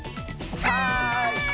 はい！